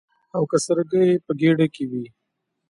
او که سرکه یې په ګېډه کې وي.